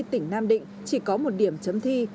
tỉnh nam định chỉ có một điểm chấm thi